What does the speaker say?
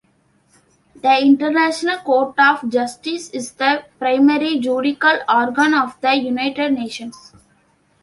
The International Court of Justice is the primary judicial organ of the United Nations.